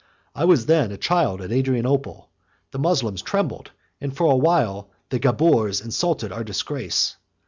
I was then a child at Adrianople; the Moslems trembled; and, for a while, the Gabours 13 insulted our disgrace.